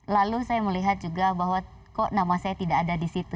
lalu saya melihat juga bahwa kok nama saya tidak ada di situ